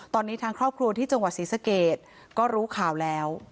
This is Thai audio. ตอนนี้ทางครอบครัวที่จังหวัดศรีสเกตก็รู้ข่าวแล้ว